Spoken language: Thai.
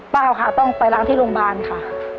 ค่ะต้องไปล้างที่โรงพยาบาลค่ะ